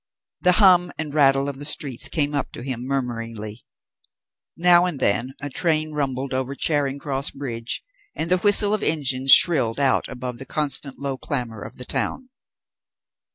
The hum and rattle of the streets came up to him murmuringly; now and then a train rumbled over Charing Cross Bridge, and the whistle of engines shrilled out above the constant low clamour of the town.